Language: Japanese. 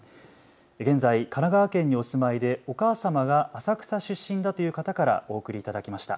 現在、神奈川県にお住まいでお母様が浅草出身だという方からお送りいただきました。